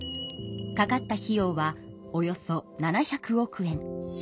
かかった費用はおよそ７００億円。